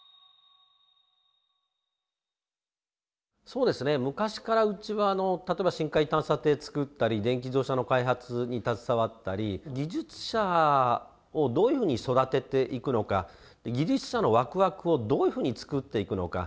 そうですね昔からうちは例えば深海探査艇作ったり電気自動車の開発に携わったり技術者をどういうふうに育てていくのか技術者のワクワクをどういうふうに作っていくのか。